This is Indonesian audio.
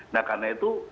nah karena itu